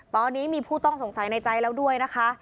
ตอนนี้มีผู้ต้องสงสัยในใจแล้วด้วยนะคะ